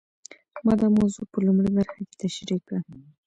ما دا موضوع په لومړۍ برخه کې تشرېح کړه.